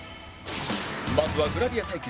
まずはグラビア対決